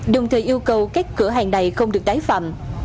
đồng thời yêu cầu các cửa hàng này không được tái phạm